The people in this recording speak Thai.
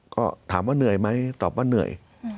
ก็ถามว่าเหนื่อยไหมตอบว่าเหนื่อย